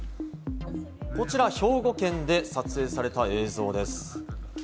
こちら兵庫県で撮影された映像です。